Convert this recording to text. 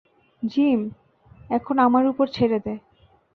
Gym, এখন আমার উপর ছেড়ে দে।